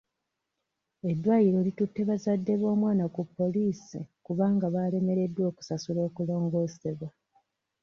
Eddwaliro litutte bazadde b'omwana ku poliisi kubanga baalemereddwa okusasulira okulongoosebwa.